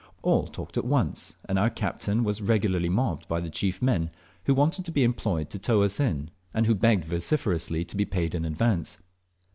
All talked at once, and our captain was regularly mobbed by the chief men, who wanted to be employed to tow us in, and who begged vociferously to be paid in advance.